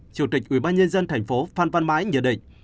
chủ tịch ubnd thành phố phan văn mãi nhận định